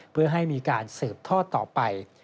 เพื่อให้มีการสืบทอดต่อไป